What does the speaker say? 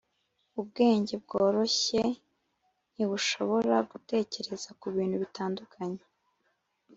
ubwenge bworoshye ntibushobora gutekereza kubintu bitandukanye